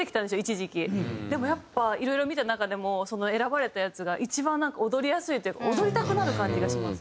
でもやっぱいろいろ見た中でも選ばれたやつが一番踊りやすいというか踊りたくなる感じがします。